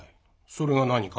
それが何か？